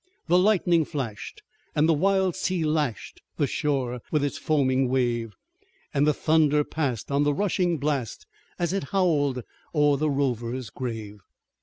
The lightning flashed, and the wild sea lashed The shore with its foaming wave, And the thunder passed on the rushing blast As it howled o'er the rover's grave.